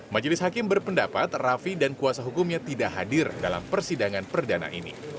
majelis hakim berpendapat raffi dan kuasa hukumnya tidak hadir dalam persidangan perdana ini